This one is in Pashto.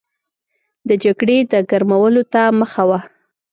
د جګړې د ګرمولو ته مخه وه.